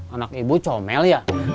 anak ibu comel ya